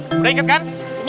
eh udah inget kan